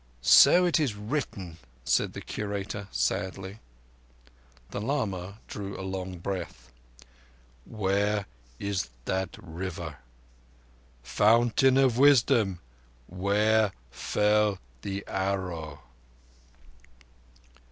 "So it is written," said the Curator sadly. The lama drew a long breath. "Where is that River? Fountain of Wisdom, where fell the arrow?"